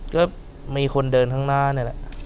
ก็มีคนเดินข้างหน้านี่แหละ